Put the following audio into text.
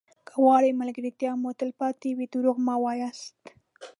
که غواړئ ملګرتیا مو تلپاتې وي دروغ مه وایاست.